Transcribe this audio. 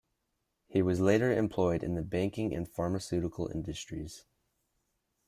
He was later employed in the banking and pharmaceutical industries.